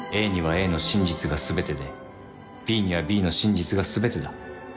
ＡにはＡの真実が全てでＢにはＢの真実が全てだ。